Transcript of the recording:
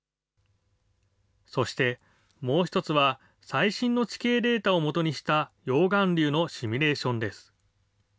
そして、もう１つは最新の地形データを基にした溶岩流のシミュレーションです。